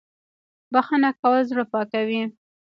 بخښنه کول زړه پاکوي